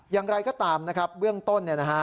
อย่างไรก็ตามนะครับเรื่องต้นนะฮะ